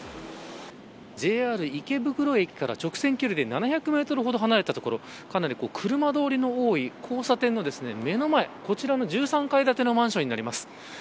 ＪＲ池袋駅から直線距離で７００メートルほど離れた所かなり車通りの多い交差点の目の前こちらの１３階建てのマンションになります。